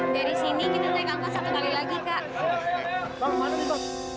dari sini kita ngekangkan satu kali lagi kak